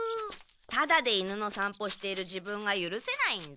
タダで犬のさんぽしている自分がゆるせないんだ。